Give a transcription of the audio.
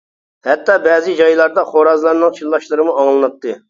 ھەتتا بەزى جايلاردا خورازلارنىڭ چىللاشلىرىمۇ ئاڭلىناتتى.